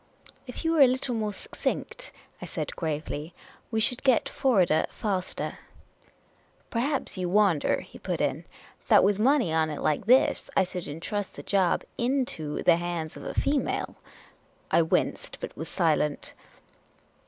" If you were a little more succinct," I said, gravely, " we should get forrader faster." ^" Perhaps you wonder," he put in, " that with money on it like this, I should intrust the job into the hands of a female." I winced, but was silent.